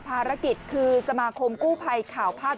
ภารกิจคือสมาคมกู้ภัยข่าวภาค